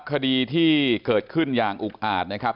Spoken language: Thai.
คดีที่เกิดขึ้นอย่างอุกอาจนะครับ